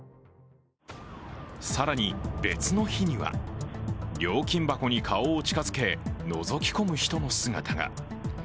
更に別の日には、料金箱に顔を近づけのぞき込む人の姿が。